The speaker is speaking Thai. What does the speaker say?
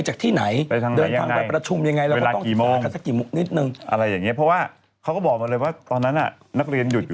นักเรียนหยุดอยู่แล้วไม่ใช่จะมีเรื่องรถจิบ